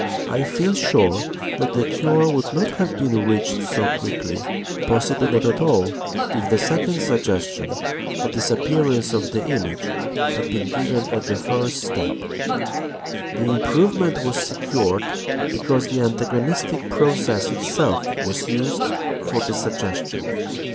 I feel sure that the cure would not have been reached so quickly, possibly not at all, if the second suggestion, the disappearance of the image, had been given at the first step. The improvement was secured because the antagonistic process itself was used for the suggestion.